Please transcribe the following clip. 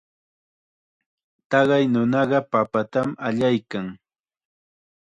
Taqay nunaqa papatam allaykan.